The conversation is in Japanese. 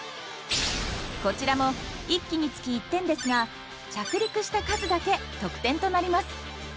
こちらも１機につき１点ですが着陸した数だけ得点となります。